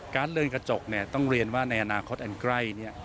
ก๊าซเลือนกระจกต้องเรียนว่าในอนาคตอันไกล